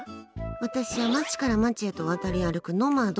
私は街から街へと渡り歩くノマド。